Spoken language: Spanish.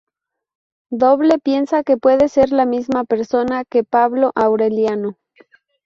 Doble piensa que puede ser la misma persona que Pablo Aureliano.